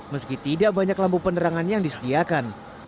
meski tidak banyak lampu penerangan yang disediakan